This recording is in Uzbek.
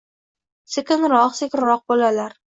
Sekinroq, sekinroq, bolalar